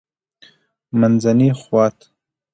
-منځنی خوات: